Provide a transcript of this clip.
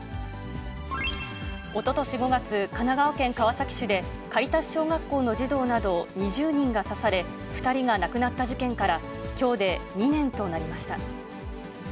おととし５月、神奈川県川崎市で、カリタス小学校の児童など２０人が刺され、２人が亡くなった事件から、きょうで２年となりました。